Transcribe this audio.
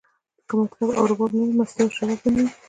که مطرب او رباب نه وی، که مستی او شباب نه وی